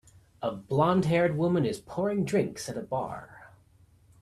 A blondhaired woman is pouring drinks at a bar.